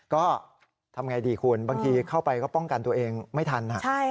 ก็ทำไงดีคุณบางทีเข้าไปก็ป้องกันตัวเองไม่ทัน